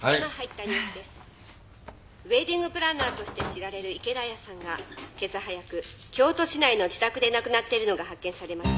ウエディングプランナーとして知られる池田亜矢さんがけさ早く京都市内の自宅で亡くなっているのが発見されました。